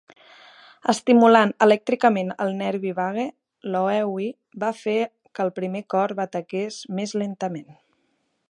Estimulant elèctricament el nervi vague, Loewi va fer que el primer cor bategués més lentament.